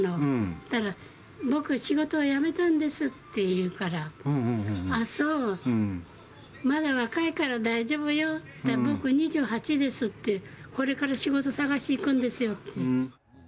そしたら、僕、仕事は辞めたんですって言うから、あっ、そう、まだ若いから大丈夫よって、そうしたら、僕２８ですって、これから仕事探し行くんですよって。